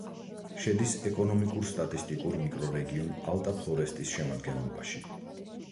შედის ეკონომიკურ-სტატისტიკურ მიკრორეგიონ ალტა-ფლორესტის შემადგენლობაში.